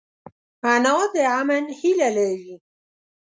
انا د امن هیله لري